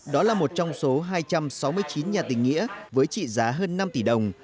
đó là một trong số hai trăm sáu mươi chín nhà tình nghĩa với trị giá hơn năm tỷ đồng